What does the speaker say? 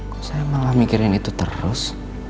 kok saya malah mikirin itu terus